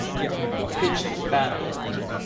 Pitched battle